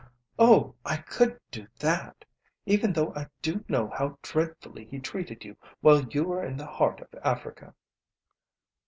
"Oh, I couldn't do that even though I do know how dreadfully he treated you while you were in the heart of Africa."